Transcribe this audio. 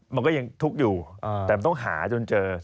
มันก็ยังทุกข์อยู่แต่มันต้องหาจนเจอ